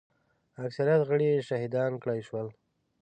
اکثریت غړي یې شهیدان کړای شول.